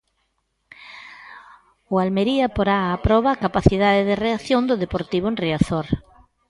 O Almería porá a proba a capacidade de reacción do Deportivo en Riazor.